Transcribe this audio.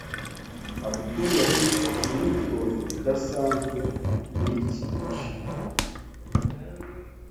Abdul yagize imyitozo idasanzwe muriki gice.